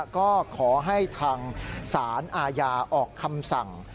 ก็ขอให้ทางศาลอาญาออกคำสั่ง